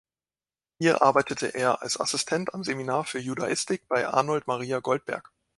Hier arbeitete er als Assistent am Seminar für Judaistik bei Arnold Maria Goldberg.